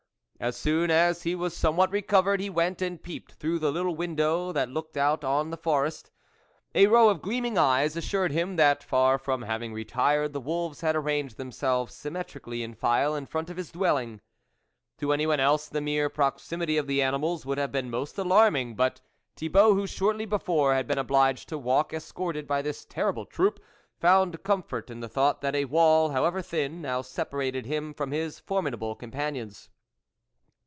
As soon as he was somewhat recovered, he went and peeped through the little window that looked out on the forest. A THE WOLF LEADER 49 row of gleaming eyes assured him that far from having retired, the wolves had arranged themselves symmetrically in file in front of his dwelling. To anyone else the mere proximity of the animals would have been most alarm ing, but, Thibault who shortly before, had been obliged to walk escorted by this terrible troop, found comfort in the thought that a wall, however thin, now separated him from his formidable companions.